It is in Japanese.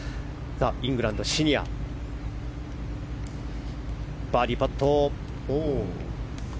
イングランド、シニアバーディーパット。